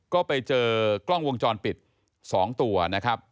ก็ไปเจอกล้องวงจรปิด๒ตัวนะครับ